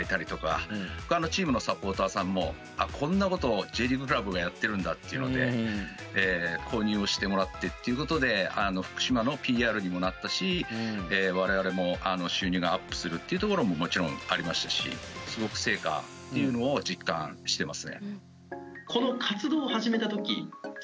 ほかのチームのサポーターさんもこんなことをＪリーグクラブがやってるんだっていうので購入をしてもらってっていうことで福島のＰＲにもなったし我々も収入がアップするっていうところももちろんありましたしすごく成果っていうのを実感してますね。